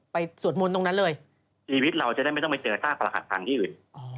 สวดมนต์ตรงนั้นเลยชีวิตเราจะได้ไม่ต้องไปเจอซากประหัสพังที่อื่น